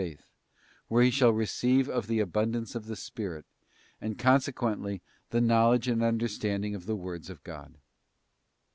faith, where he shall receive of the abundance of the Spirit, and consequently the knowledge and understanding of the words of God.